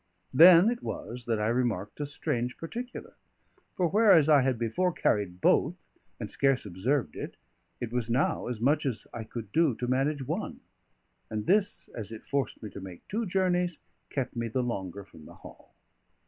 Then it was that I remarked a strange particular; for whereas I had before carried both and scarce observed it, it was now as much as I could do to manage one. And this, as it forced me to make two journeys, kept me the longer from the hall.